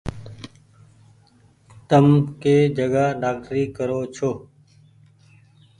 تم ڪي جگآ ڊآڪٽري ڪري ڇي۔